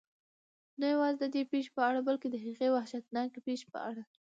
نه یوازې ددې پېښې په اړه بلکې د هغې وحشتناکې پېښې په اړه.